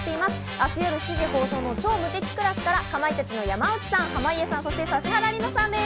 明日夜７時放送の『超無敵クラス』からかまいたちの山内健司さん・濱家隆一さんと、指原莉乃さんです。